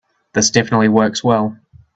This definitely works well.